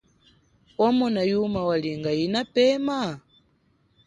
Wamona yuma walinga yinapeme ?